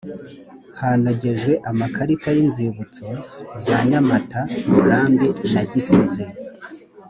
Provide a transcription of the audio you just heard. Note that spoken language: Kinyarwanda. hanogejwe amakarita y’inzibutso za nyamata murambi na gisozi